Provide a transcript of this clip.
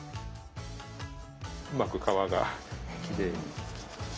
うまく皮がきれいに。